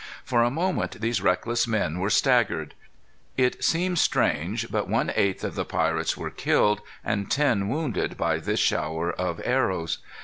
For a moment, these reckless men were staggered. It seems strange that but eight of the pirates were killed and ten wounded by this shower of arrows.